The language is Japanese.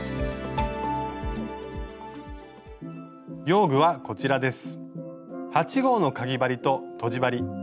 用具はこちらです。